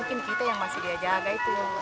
mungkin kita yang masih dia jaga itu